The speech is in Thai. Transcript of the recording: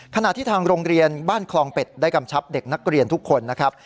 ขณะที่ทางโรงเรียนบ้านคลองเป็ดได้กำชับเด็กนักเรียนทุกคนนะครับ